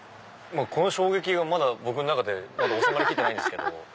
この衝撃がまだ僕の中で収まりきってないんですけど。